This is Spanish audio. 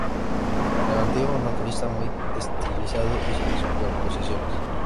Levantino naturalista muy estilizado y sin superposiciones.